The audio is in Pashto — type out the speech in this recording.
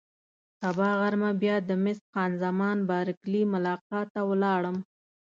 سبا غرمه بیا د مس خان زمان بارکلي ملاقات ته ولاړم.